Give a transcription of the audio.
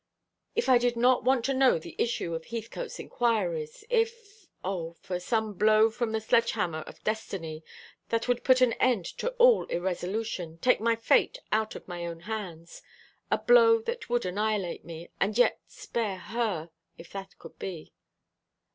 "If I did not want to know the issue of Heathcote's inquiries! If O, for some blow from the sledgehammer of Destiny, that would put an end to all irresolution, take my fate out of my own hands! A blow that would annihilate me, and yet spare her if that could be."